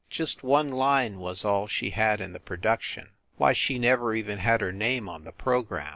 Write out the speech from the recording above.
Just one line was all she had in the production. Why, she never even had her name on the program!